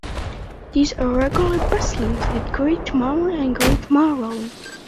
There are regular bus links with Great Malvern and Malvern Link.